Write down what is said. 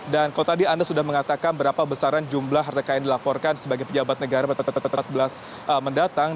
dan kalau tadi anda sudah mengatakan berapa besaran jumlah harta kekayaan dilaporkan sebagai pejabat negara pada tahun dua ribu delapan belas mendatang